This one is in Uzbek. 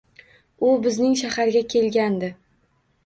U bizning shaharga kelgandi